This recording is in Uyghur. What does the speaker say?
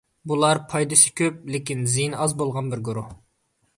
بۇلار پايدىسى كۆپ، لېكىن زىيىنى ئاز بولغان بىر گۇرۇھ.